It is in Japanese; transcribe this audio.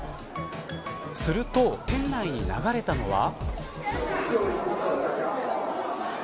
すると、店内に流れたのは。